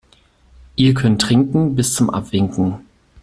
Ihr könnt trinken bis zum Abwinken.